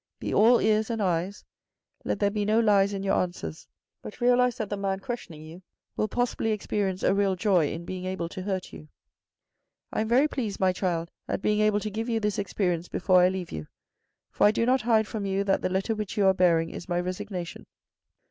Be all ears and eyes. Let there be no lies in your answers, but realise that the man questioning you will THE FIRST PROMOTION 211 possibly experience a real joy in being able to hurt you. I am very pleased, my child, at being able to give you this experience before I leave you, for I do not hide from you that the letter which you are bearing is my resignation."